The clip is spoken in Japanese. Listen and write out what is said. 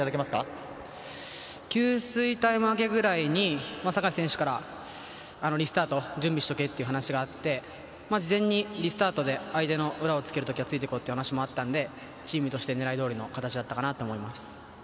給水タイム明けぐらいに、リスタート、準備しとけという話があって、事前にリスタートで相手の裏をつけるときはついていこうという話もあったのでチームとして狙い通りの形だったかなと思います。